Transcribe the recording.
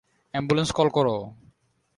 Ambulance call করো!